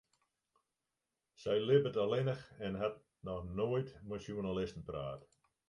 Sy libbet allinnich en hat noch noait mei sjoernalisten praat.